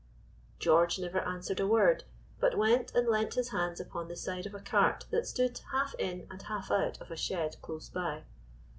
George never answered a word, but went and leaned his head upon the side of a cart that stood half in and half out of a shed close by.